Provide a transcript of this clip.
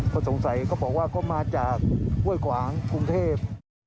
เขาสงสัยเขาบอกว่าเขามาจากเว้ยกวางภูมิเทพฯ